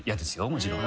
もちろん。